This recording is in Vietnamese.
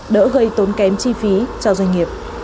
đỡ gây tốn kém chi phí cho doanh nghiệp